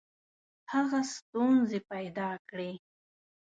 هغه ستونزي پیدا کړې.